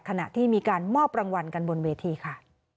ขณะที่มีการมอบรางวัลกันบนเวทีค่ะ